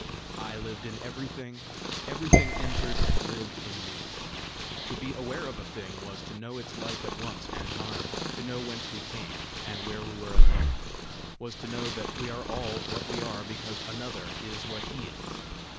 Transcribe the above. I lived in everything; everything entered and lived in me. To be aware of a thing, was to know its life at once and mine, to know whence we came, and where we were at home was to know that we are all what we are, because Another is what he is!